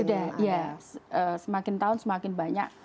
sudah ya semakin tahun semakin banyak